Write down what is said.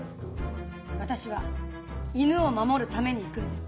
私は犬を守るために行くんです。